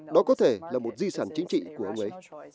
đó có thể là một di sản chính trị của ông ấy